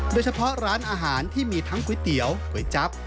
โดยเฉพาะร้านอาหารที่มีทั้งก๋วยเตี๋ยวก๋วยจั๊บ